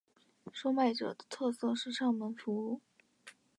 收买者的特色是上门服务。